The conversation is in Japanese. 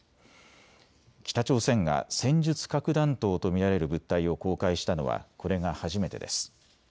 北朝鮮が戦術核弾頭と見られる物体を公開したのはこれが初めてです。